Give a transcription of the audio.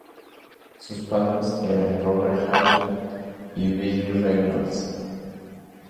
Sus padres eran Robert Hale y Belle Reynolds.